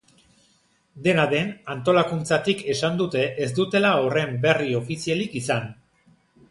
Dena den, antolakuntzatik esan dute ez dutela horren berri ofizialik izan.